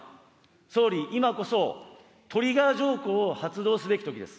総理、今こそ、トリガー条項を発動すべきときです。